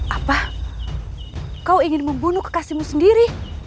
apa kau ingin membunuh kekasihmu sendiri